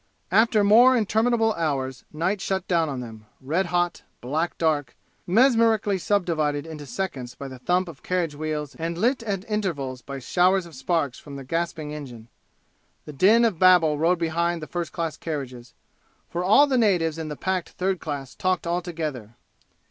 After more interminable hours night shut down on them, red hot, black dark, mesmerically subdivided into seconds by the thump of carriage wheels and lit at intervals by showers of sparks from the gasping engine. The din of Babel rode behind the first class carriages, for all the natives in the packed third class talked all together.